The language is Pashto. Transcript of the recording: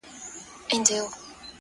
• نن سبا چي څوک د ژوند پر لار ځي پلي ,